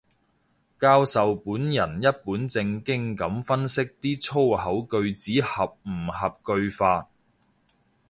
教授本人一本正經噉分析啲粗口句子合唔合句法